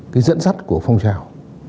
cái dẫn dắt của phòng trào